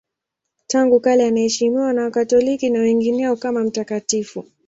Tangu kale anaheshimiwa na Wakatoliki na wengineo kama mtakatifu.